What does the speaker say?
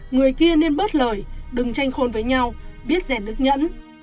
người kia nên bớt lời đừng tranh khôn với nhau biết rèn đức nhẫn